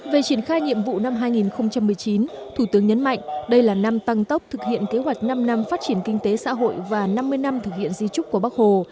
về triển khai nhiệm vụ năm hai nghìn một mươi chín thủ tướng nhấn mạnh đây là năm tăng tốc thực hiện kế hoạch năm năm phát triển kinh tế xã hội và năm mươi năm thực hiện di trúc của bắc hồ